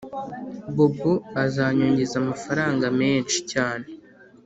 bobo azanyogeza amafaranga menshi cyane